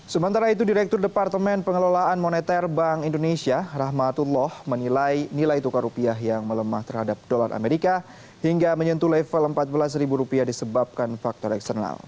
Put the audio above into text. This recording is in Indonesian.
sementara itu direktur departemen pengelolaan moneter bank indonesia rahmatullah menilai nilai tukar rupiah yang melemah terhadap dolar amerika hingga menyentuh level empat belas rupiah disebabkan faktor eksternal